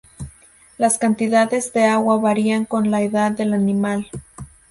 Las cantidades de agua varían con la edad del animal.